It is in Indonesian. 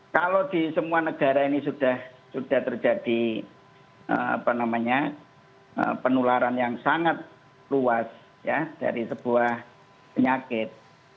kalau di semua negara ini sudah terjadi penularan yang sangat luas dari sebuah penyakit